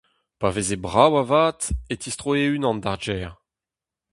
Pa veze brav avat, e tistroe e-unan d'ar gêr.